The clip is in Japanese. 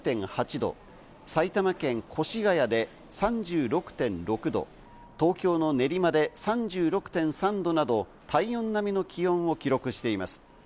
埼玉県越谷で３６．６度、東京の練馬で３６．３度など、体温並みの気温を記録しています。